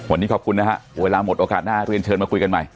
วันนี้ขอบคุณนะฮะเวลาหมดโอกาสหน้าเรียนเชิญมาคุยกันใหม่